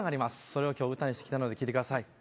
それを今日歌にしてきたので聴いてください